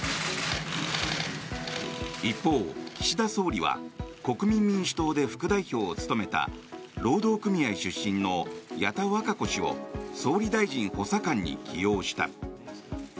一方、岸田総理は国民民主党で副代表を務めた労働組合出身の矢田稚子氏を総理大臣補佐官に起用した。